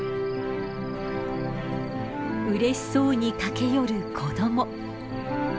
うれしそうに駆け寄る子供。